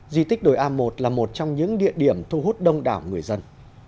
di tích đồi a một là một trong những địa điểm thu hút đông đảo người dân